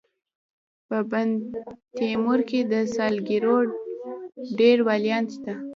په بندتیمور کي د ساکزو ډير ولیان سته.